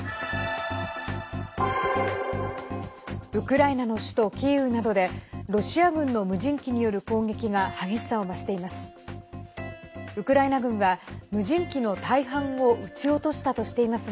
ウクライナの首都キーウなどでロシア軍の無人機による攻撃が激しさを増しています。